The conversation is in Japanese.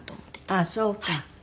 あっそうか。